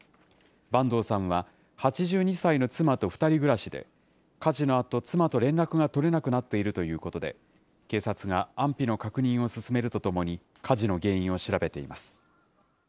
坂東さんは８２歳の妻と２人暮らしで、火事のあと、妻と連絡が取れなくなっているということで、警察が安否の確認を進めるとともに、火事の原因を調べています。